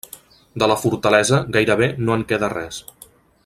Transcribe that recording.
De la fortalesa gairebé no en queda res.